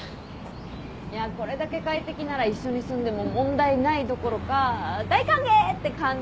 いやこれだけ快適なら一緒に住んでも問題ないどころか大歓迎って感じ。